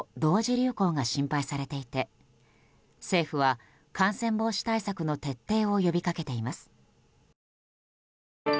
流行が心配されていて政府は、感染防止対策の徹底を呼びかけています。